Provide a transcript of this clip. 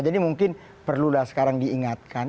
jadi mungkin perlu dah sekarang diingatkan